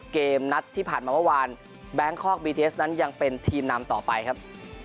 เกมนัดที่ผ่านมาเมื่อวานแบงคอกบีเทสนั้นยังเป็นทีมนำต่อไปครับ